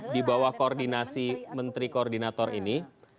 di bawah koordinasi menteri koordinator ini